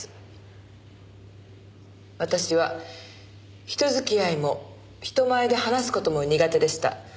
私は人付き合いも人前で話す事も苦手でした。